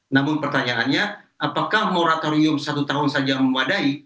namun pertanyaannya apakah moratorium satu tahun saja memadai